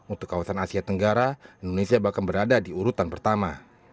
untuk kawasan asia tenggara indonesia bahkan berada di urutan pertama